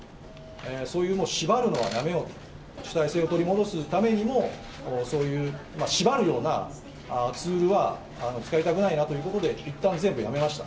そういう縛るのはもうやめようと、主体性を取り戻すためにも、そういう縛るようなツールは使いたくないなということで、いったん全部やめました。